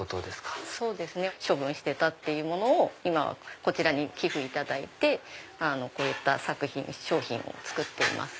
そうですね。処分してたっていうものを今はこちらに寄付いただいてこういった作品商品を作っています。